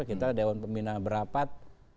kita daun pembina berapat